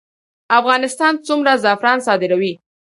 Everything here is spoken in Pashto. افغانستان څومره زعفران صادروي؟